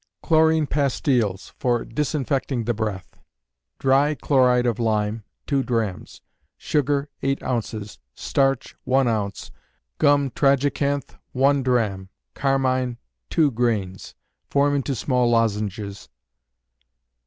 Chlorine Pastiles for Disinfecting the Breath. Dry chloride of lime, two drachms; sugar, eight ounces; starch, one ounce, gum tragacanth, one drachm; carmine, two grains. Form into small lozenges.